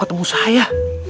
dengan otak di